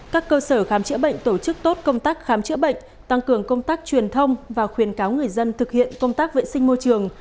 các cơ sở khám chữa bệnh tổ chức tốt công tác khám chữa bệnh tăng cường công tác truyền thông và khuyến cáo người dân thực hiện công tác vệ sinh môi trường